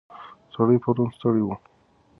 سړی پرون ستړی و.